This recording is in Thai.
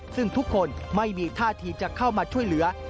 ซึ่งทุกคนไม่มีท่าทีจะเข้ามาช่วยเหลือ